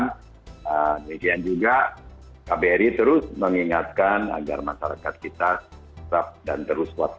demikian juga kbri terus mengingatkan agar masyarakat kita tetap dan terus waspada